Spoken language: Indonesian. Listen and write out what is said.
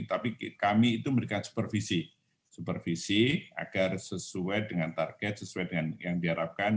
tapi kami itu memberikan supervisi agar sesuai dengan target sesuai dengan yang diharapkan